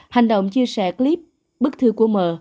hành động chia sẻ clip bức thư của mờ